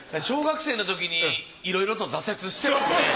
小学生のときにいろいろと挫折してますね。